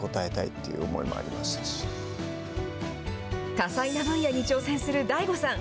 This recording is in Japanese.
多彩な分野に挑戦するＤＡＩＧＯさん。